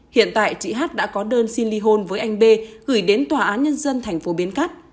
hiện tại chị hát đã có đơn xin ly hôn với anh b gửi đến tòa án nhân dân thành phố bến cát